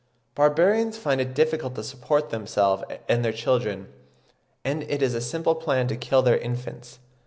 Barbarians find it difficult to support themselves and their children, and it is a simple plan to kill their infants.